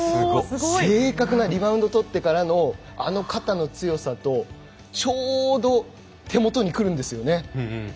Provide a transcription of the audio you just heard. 正確なリバウンド取ってからのあの肩の強さとちょうど手元にくるんですよね。